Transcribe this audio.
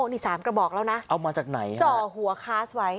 นี่๓กระบอกแล้วนะเอามาจากไหนจ่อหัวคาสไว้